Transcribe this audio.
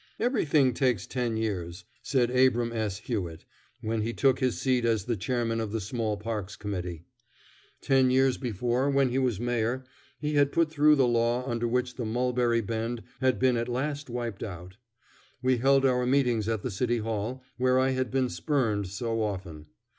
"Everything takes ten years." said Abram S. Hewitt, when he took his seat as the chairman of the Small Parks Committee. Ten years before, when he was Mayor, he had put through the law under which the Mulberry Bend had been at last wiped out. We held our meetings at the City Hall, where I had been spurned so often.